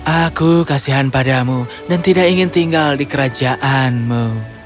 aku kasihan padamu dan tidak ingin tinggal di kerajaanmu